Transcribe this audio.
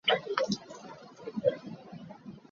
Are you going to help about the fair, dear?